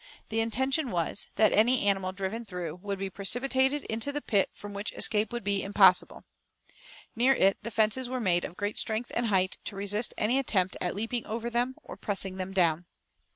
The intention was, that any animal driven through would be precipitated into the pit from which escape would be impossible. Near it the fences were made of great strength and height, to resist any attempt at leaping over them, or pressing them down.